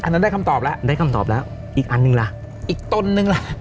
อันนั้นได้คำตอบแล้วได้คำตอบแล้วอีกอันหนึ่งล่ะอีกตนนึงล่ะ